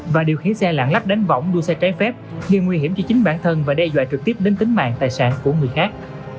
và điều khiến xe lạng lắc đánh vỏng đua xe trái phép nghiêng nguy hiểm cho chính bản thân và đe dọa trực tiếp đến tính mạng tài sản của người khác